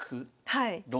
はい。